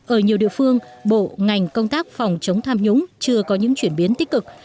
ở nhiều địa phương bộ ngành công tác phòng chống tham nhũng chưa có những chuyển biến tích cực